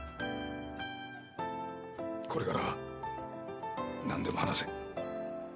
これからは何でも話せ。